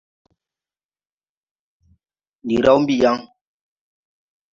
Ndi raw mbi yaŋ.